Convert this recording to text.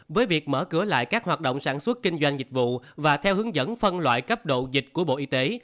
với việc mở cửa lại các hoạt động sản xuất kinh doanh dịch vụ và theo hướng dẫn phân loại cấp độ dịch của bộ y tế